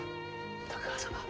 徳川様